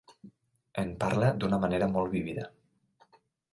En parla d'una manera molt vívida.